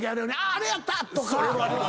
あれやった！とか。